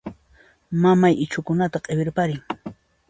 Mamay ichhukunata q'iwirparin.